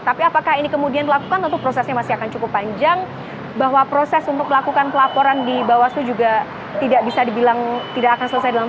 ini jadi secara tidak asasi dan itu tidak akan dilakukan tentu prosesnya masih akan cukup panjang bahwa proses untuk melakukan pelaporan di bawaslu juga tidak bisa dibilang tidak akan selesai dalam satu dua hari